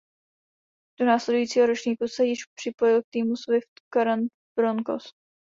Do následujícího ročníku se již připojil k týmu Swift Current Broncos.